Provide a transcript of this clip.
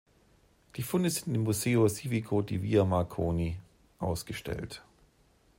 Die Funde sind im Museo Civico di Via Marconi ausgestellt.